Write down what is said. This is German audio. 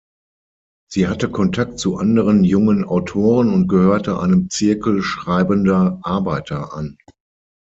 Sie hatte Kontakt zu anderen jungen Autoren und gehörte einem Zirkel Schreibender Arbeiter an.